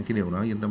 cái điều đó yên tâm